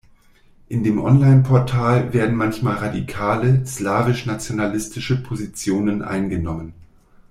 In dem Onlineportal werden manchmal radikale, slawisch-nationalistische Positionen eingenommen.